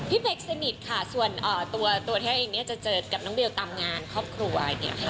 พี่เป๊กสนิทค่ะส่วนตัวเองจะเจอกับน้องเบลตามงานครอบครัว